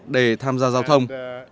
để tham gia giao thông